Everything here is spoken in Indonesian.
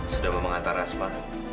sudah mau mengantar asma